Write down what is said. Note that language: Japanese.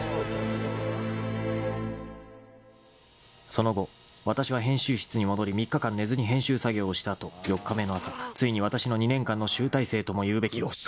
［その後わたしは編集室に戻り３日間寝ずに編集作業をした後４日目の朝ついにわたしの２年間の集大成とも言うべき］よし！